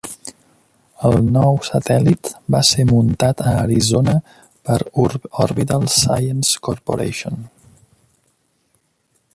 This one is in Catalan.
El nou satèl·lit va ser muntat a Arizona per Orbital Sciences Corporation.